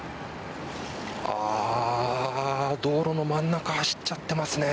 あー、道路の真ん中走っちゃってますね。